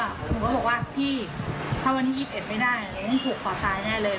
หนูก็บอกว่าพี่ถ้าวันนี้อีก๑ไม่ได้ถูกขอตายแน่เลย